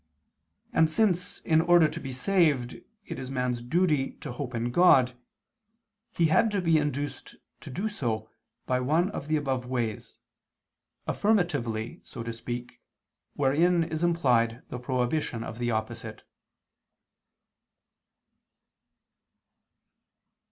And since in order to be saved it is man's duty to hope in God, he had to be induced to do so by one of the above ways, affirmatively, so to speak, wherein is implied the prohibition of the opposite.